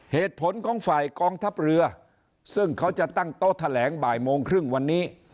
เหตุผลของฝ่ายกองทัพเรือซึ่งเขาจะตั้งโต๊ะแถลงบ่ายโมงครึ่งวันนี้